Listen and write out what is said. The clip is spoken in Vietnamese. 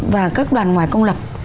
và các đoàn ngoài công lập